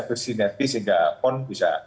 bersinetis sehingga pon bisa